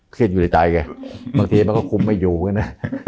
เครียดอยู่ในใจไงบางทีมันก็คุ้มให้อยู่นะ